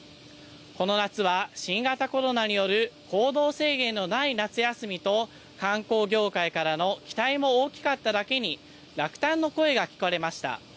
この夏は、新型コロナによる行動制限のない夏休みと、観光業界からの期待も大きかっただけに、落胆の声が聞かれました。